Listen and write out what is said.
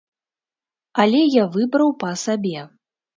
Але я выбраў па сабе.